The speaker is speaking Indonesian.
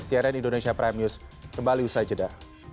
cnn indonesia prime news kembali usai jeda